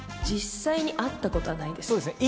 実際に会ったことはないです。